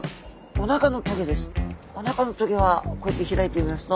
おなかの棘はこうやって開いてみますと。